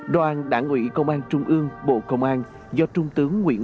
đoàn đảng ủy công an trung ương bộ công an